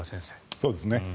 そうですね。